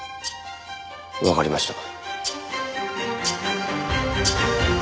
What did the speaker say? わかりました。